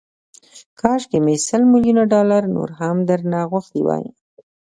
کاشکي مې سل ميليونه ډالر نور هم درنه غوښتي وای.